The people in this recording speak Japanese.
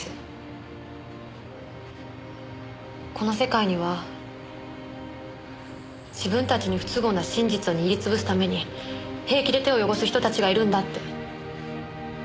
この世界には自分たちに不都合な真実を握りつぶすために平気で手を汚す人たちがいるんだって。